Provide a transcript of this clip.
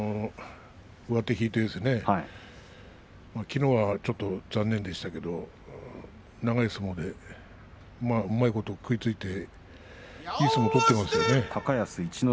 上手を引いてきのうは残念でしたが長い相撲で、うまいこと食いついていい相撲を取っていますよね。